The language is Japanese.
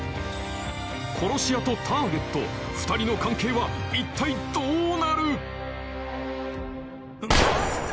殺し屋とターゲット２人の関係は一体どうなる！？